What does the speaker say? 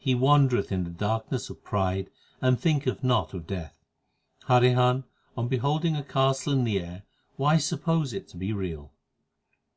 He wandereth in the darkness of pride and thinketh not of death. Harihan, on beholding a castle in the air why suppose it to be real